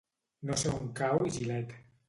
No sé on cau Gilet.